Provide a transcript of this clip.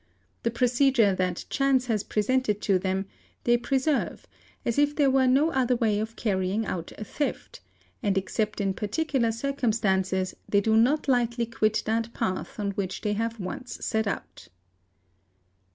The procedure that chance has presented to them, they preserve, as if there were no other way of carry ing out a theft, and except in particular circumstances they do not lightly | quit that path on which they have once set out.